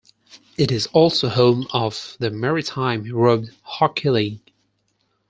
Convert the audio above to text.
It is also home of the Maritime Road Hockey League.